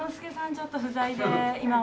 ちょっと不在で今は。